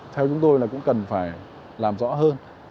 theo chúng tôi là cũng cần phải làm rõ hơn